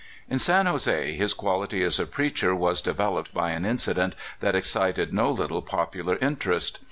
At San Jose, his quality as a preacher was de veloped by an incident that excited no little popu lar interest.